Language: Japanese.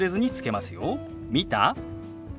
「見た？」。